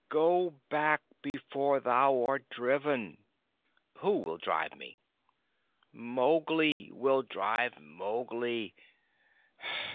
Go back before thou art driven." "Who will drive me?" "Mowgli will drive Mowgli.